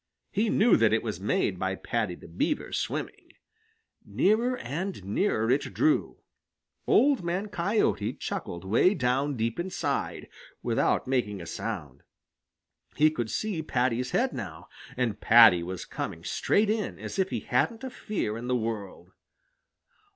He knew that it was made by Paddy the Beaver swimming. Nearer and nearer it drew. Old Man Coyote chuckled way down deep inside, without making a sound. He could see Paddy's head now, and Paddy was coming straight in, as if he hadn't a fear in the world.